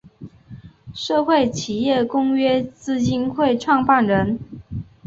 社会企业公约基金会创办人。